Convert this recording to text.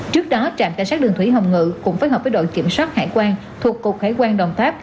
trước đó trạm cảnh sát đường thủy hồng ngự cũng phối hợp với đội kiểm soát hải quan thuộc cục hải quan đồng tháp